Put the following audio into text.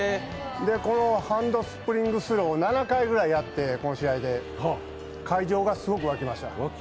このハンドスプリングスロー７回ぐらいやって、この試合で、会場がすごく沸きました。